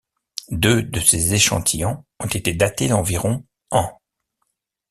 Deux de ces échantillons ont été datés d’environ ans.